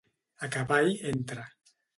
A cavall entre.